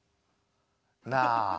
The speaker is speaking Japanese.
なあ。